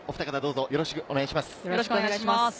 よろしくお願いします。